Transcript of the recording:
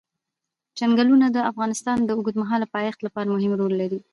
چنګلونه د افغانستان د اوږدمهاله پایښت لپاره مهم رول لري.